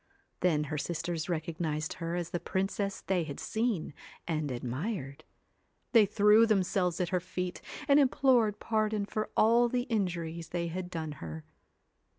Then her sisters recognised her as the princess they had seen and admired. They threw them selves at her feet and implored pardon for all the injuries they had done her.